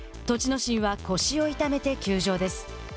心は腰を痛めて休場です。